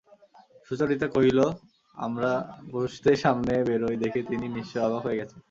সুচরিতা কহিল, আমরা পুরুষদের সামনে বেরোই দেখে তিনি নিশ্চয় অবাক হয়ে গেছেন।